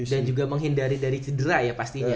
dan juga menghindari dari cedera ya pastinya